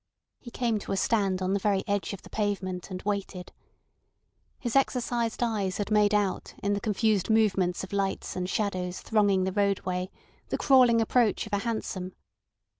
He came to a stand on the very edge of the pavement, and waited. His exercised eyes had made out in the confused movements of lights and shadows thronging the roadway the crawling approach of a hansom.